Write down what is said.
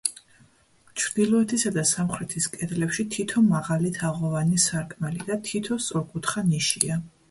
ჩრდილოეთისა და სამხრეთის კედლებში თითო მაღალი თაღოვანი სარკმელი და თითო სწორკუთხა ნიშია.